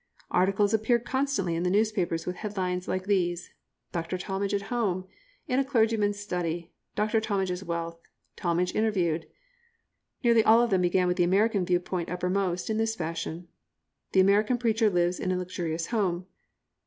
Articles appeared constantly in the newspapers with headlines like these "Dr. Talmage at Home," "In a Clergyman's Study," "Dr. Talmage's Wealth," "Talmage Interviewed." Nearly all of them began with the American view point uppermost, in this fashion: "The American preacher lives in a luxurious home."